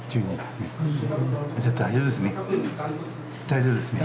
大丈夫ですね。